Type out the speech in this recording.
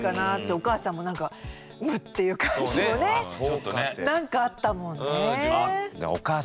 お母さんもなんかムッていう感じもねなんかあったもんね。